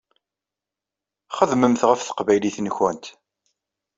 Xedmemt ɣef teqbaylit-nkent.